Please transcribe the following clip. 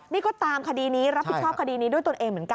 นี่ก็ตามคดีนี้รับผิดชอบคดีนี้ด้วยตนเองเหมือนกัน